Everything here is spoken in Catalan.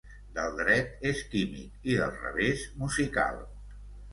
Del dret és químic i del revés musical.